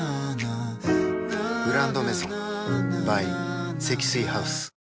「グランドメゾン」ｂｙ 積水ハウス